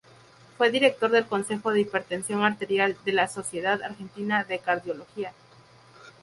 Fue director del Consejo de Hipertensión arterial de la Sociedad Argentina de Cardiología.